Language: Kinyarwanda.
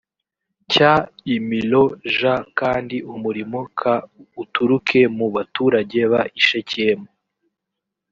cy i milo j kandi umuriro k uturuke mu baturage b i shekemu